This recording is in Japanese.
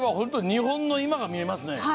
日本の今が見えますね。